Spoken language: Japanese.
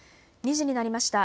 ２時になりました。